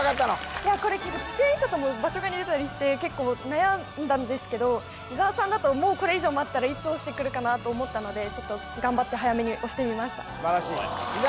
いやこれチチェン・イッツァとも場所が似てたりして結構悩んだんですけど伊沢さんだともうこれ以上待ったらいつ押してくるかなと思ったのでちょっと頑張って早めに押してみました素晴らしい伊沢